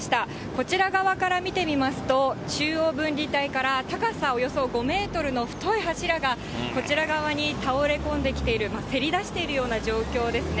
こちら側から見てみますと、中央分離帯から高さおよそ５メートルの太い柱がこちら側に倒れ込んできている、せり出しているような状況ですね。